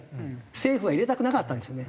政府は入れたくなかったんですね。